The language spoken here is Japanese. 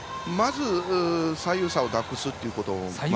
まず左右差をなくすということ。